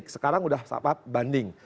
sekarang sudah sahabat banding